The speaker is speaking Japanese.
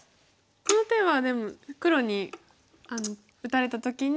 この手はでも黒に打たれた時に。